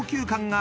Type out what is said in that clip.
あ。